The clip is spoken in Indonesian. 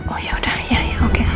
oh yaudah iya ya oke